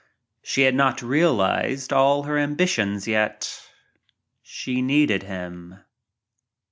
She had ,jiot realized all her ambitions yet. She needed him.